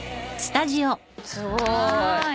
すごーい。